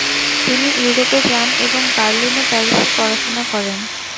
তিনি ইউরোপে যান এবং বার্লিন ও প্যারিসে পড়াশুনা করেন।